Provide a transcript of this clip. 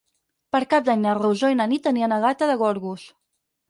Per Cap d'Any na Rosó i na Nit aniran a Gata de Gorgos.